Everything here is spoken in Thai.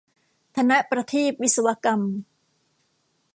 ธนประทีปวิศวกรรม